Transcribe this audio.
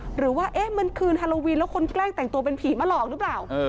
หรือว่ามันคืนฮาโลวีนแล้วคนแกล้งแต่งตัวเป็นผีมาหลอกหรือเปล่า